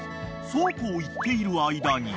［そうこう言っている間に］